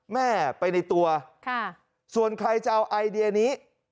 แม่ไปในตัวส่วนใครจะเอาไอเดียนี้